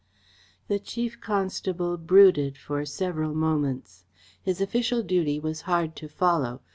The Chief Constable brooded for several moments. His official duty was hard to follow.